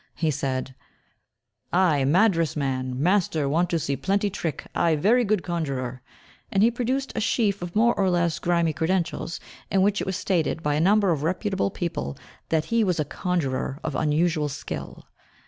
He said, "I Madras man, master want to see plenty trick, I very good conjurer," and he produced a sheaf of more or less grimy credentials, in which it was stated, by a number of reputable people, that he was a conjurer of unusual skill.